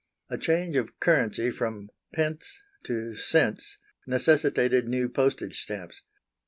A change of currency from "pence" to "cents" necessitated new postage stamps.